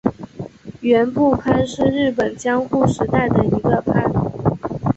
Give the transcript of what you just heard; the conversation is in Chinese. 园部藩是日本江户时代的一个藩。